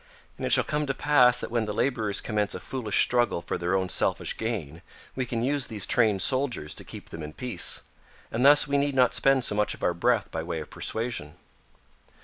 "And it shall come to pass that when the laborers commence a foolish struggle for their own selfish gain, we can use these trained soldiers to keep them in peace, and thus we need not spend so much of our breath by way of persuasion."